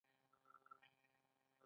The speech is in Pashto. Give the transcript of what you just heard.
اضافي ارزښت هم له متغیرې پانګې څخه راځي